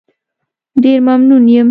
ډېر ممنون یم.